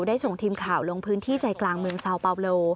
ได้ส่งทีมข่าวลงพื้นที่ใจกลางเมืองซาวเปาโล